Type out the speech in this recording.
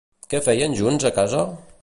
Què feien junts a casa?